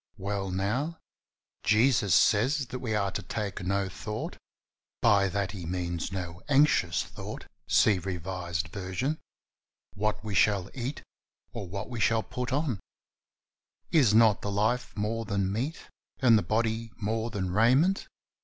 Well, now, Jesus says we are to take no thought 100 THE SOXJL WINNER's SECRET. (by that He means no anxious thought — see Revised Version) what we shall eat or what we shall put on. "Is not the life more than meat and the body more than raiment?"